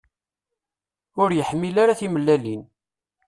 Ur yeḥmil ara timellalin.